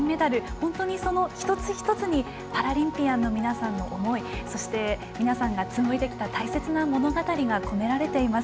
本当に一つ一つにパラリンピアンの皆さんの思いそして、皆さんがつむいできた大切な物語が込められています。